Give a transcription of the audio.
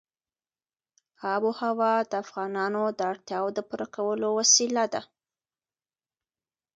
آب وهوا د افغانانو د اړتیاوو د پوره کولو وسیله ده.